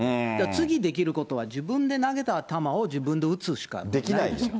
次できることは、自分で投げた球を自分で打つしかないんですよ。